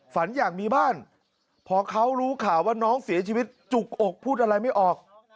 ฝันอยากมีบ้านพอเขารู้ข่าวว่าน้องเสียชีวิตจุกอกพูดอะไรไม่ออก